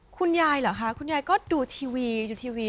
คุณยายหรอค่ะคุณยายก็ดูทีวี